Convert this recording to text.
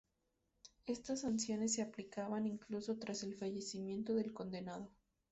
Estas sanciones se aplicaban incluso tras el fallecimiento del condenado.